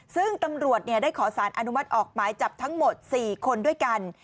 ซึ่งตำรวจได้ขอสารอนุมัติออกหมายจับทั้งหมด๔คนด้วยกัน